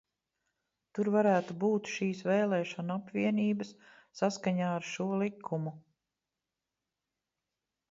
Tur varētu būt šīs vēlēšanu apvienības saskaņā ar šo likumu.